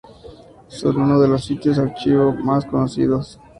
Son uno de los sitios archivo más conocidos.